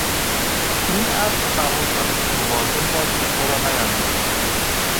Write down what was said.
این اسب چموش است، مواظب باش که تو را نیاندازد.